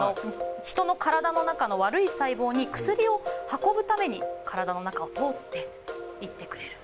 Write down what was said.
人の体の中の悪い細胞に薬を運ぶために体の中を通っていってくれる。